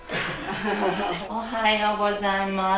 おはようございます。